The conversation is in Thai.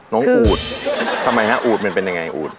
อูดทำไมฮะอูดมันเป็นยังไงอูด